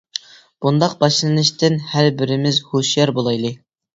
بۇنداق باشلىنىشتىن ھەر بىرىمىز ھوشيار بولايلى!